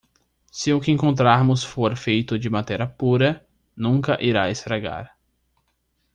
Se o que encontrarmos for feito de matéria pura, nunca irá estragar.